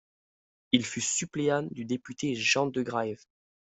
Il fut suppléant du député Jean Degraeve.